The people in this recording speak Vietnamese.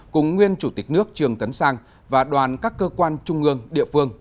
cùng nguyên chủ tịch nước trường tấn sang và đoàn các cơ quan trung ương địa phương